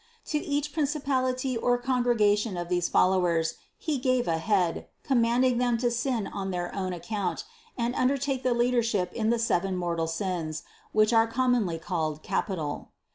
To each principality or congregation of these fol lowers he gave a head, commanding them to sin on their own account and undertake the leadership in the seven mortal sins, which are commonly called capital.